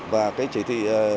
và chỉ thị